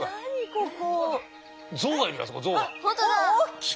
ここ。